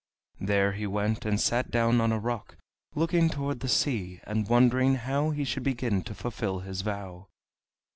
There he went and sat down on a rock, looking toward the sea, and wondering how he should begin to fulfill his vow.